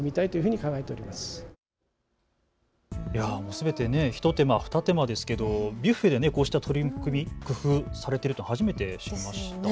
すべて一手間、二手間ですけれどもビュッフェでこうした取り組み、工夫をされていると初めて知りました。